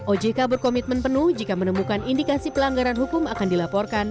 ojk berkomitmen penuh jika menemukan indikasi pelanggaran hukum akan dilaporkan